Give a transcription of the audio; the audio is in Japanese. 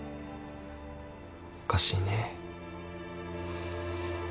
おかしいね。